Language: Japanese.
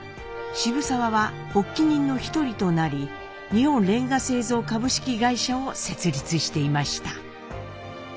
渋沢は発起人の一人となり日本煉瓦製造株式会社を設立していました。